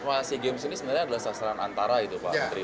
asean games ini sebenarnya adalah sasaran antara itu pak